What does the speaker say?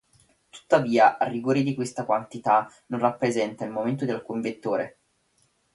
Tuttavia, a rigore questa quantità non rappresenta il momento di alcun vettore.